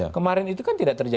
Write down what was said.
kemarin itu kan tidak terjadi